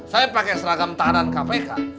saya pakai seragam tahanan kpk